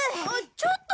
ちょっと！